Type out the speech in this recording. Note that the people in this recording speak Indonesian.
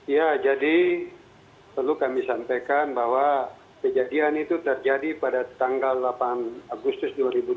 ya jadi perlu kami sampaikan bahwa kejadian itu terjadi pada tanggal delapan agustus dua ribu dua puluh